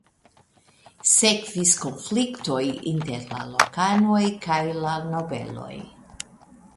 Sekvis konfliktoj inter la lokanoj kaj la nobeloj.